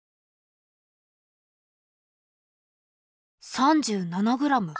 ３７ｇ。